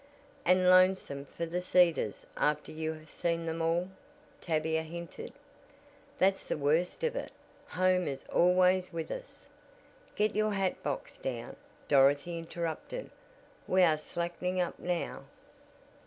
"And lonesome for the Cedars after you have seen them all," Tavia hinted. "That's the worst of it, home is always with us " "Get your hat box down," Dorothy interrupted. "We are slackening up now."